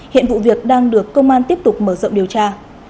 hiện vụ việc đang được công an tiếp tục mở rộng điều tra